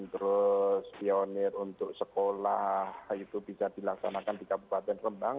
terus pionir untuk sekolah itu bisa dilaksanakan di kabupaten rembang